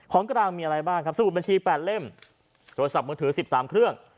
ของกลางมีอะไรบ้างครับสมุดบัญชี๘เล่มโทรศัพท์มือถือ๑๓เครื่อง